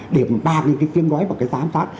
để mà ban những cái kiến gói và cái giám sát